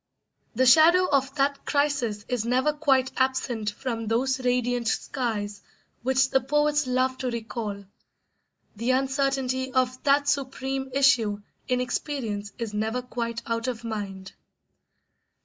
The shadow of that crisis is never quite absent from those radiant skies which the poets love to recall; the uncertainty of that supreme issue in experience is never quite out of mind.